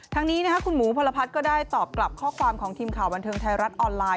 ทางนี้คุณหมูพลพัฒน์ก็ได้ตอบกลับข้อความของทีมข่าวบันเทิงไทยรัฐออนไลน